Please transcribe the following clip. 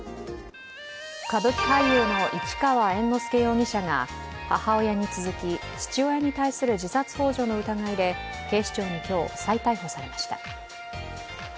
歌舞伎俳優の市川猿之助容疑者が母親に続き、父親に対する自殺ほう助の疑いで警視庁に今日、再逮捕されました。